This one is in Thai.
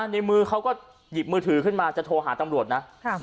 ในมือเขาก็หยิบมือถือขึ้นมาจะโทรหาตำรวจนะ